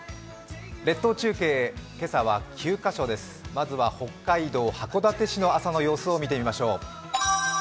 列島中継、今朝は９カ所ですまずは北海道函館市の朝の様子を見てみましょう。